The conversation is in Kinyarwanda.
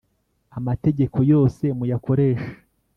Amategeko yose muyakoreshe.